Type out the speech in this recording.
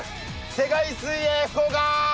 世界水泳福岡。